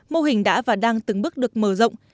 mô hình đã và đang từng bước được mở rộng